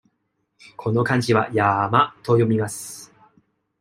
この漢字は「やま」と読みます。